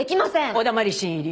お黙り新入り。